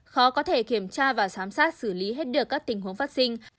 khó có thể kiểm tra và giám sát xử lý hết được các tình huống phát sinh